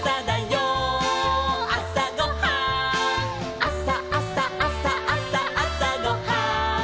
「あさあさあさあさあさごはん」